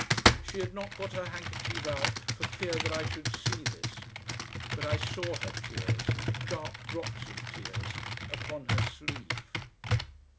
She had not got her handkerchief out for fear that I should see this, but I saw her tears, dark drops of tears, upon her sleeve....